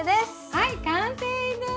はい完成です！